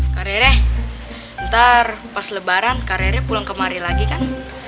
kak rere ntar pas lebaran kak rere pulang kemari lagi kan